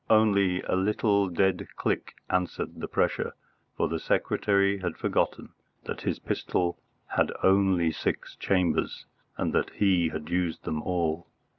Only a little dead click answered the pressure, for the secretary had forgotten that the pistol had only six chambers, and that he had used them all.